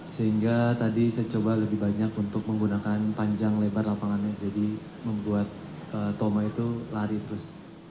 sehingga tadi saya coba lebih banyak untuk menggunakan panjang lebar lapangannya jadi membuat toma itu lari terus